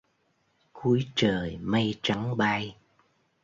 Cuối trời mây trắng bay